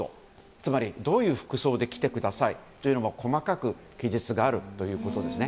つまり、どういう服装で来てくださいというのも細かく記述があるということです。